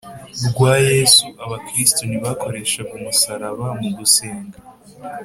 rwa Yesu Abakristo ntibakoreshaga umusaraba mu gusenga